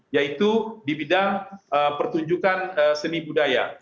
yaitu di bidang pertunjukan seni budaya